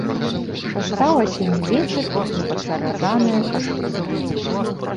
Шастаў асенні вецер іх непадпяразаныя кашулі.